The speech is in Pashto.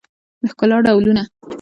د ښکلا ډولونه